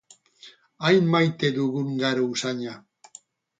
Hain maite dugun garo usaina.